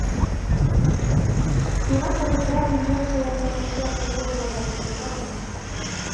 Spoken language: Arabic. بِنَصْرِ اللَّهِ يَنْصُرُ مَنْ يَشَاءُ وَهُوَ الْعَزِيزُ الرَّحِيمُ